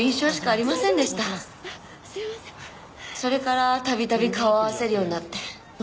それからたびたび顔を合わせるようになって。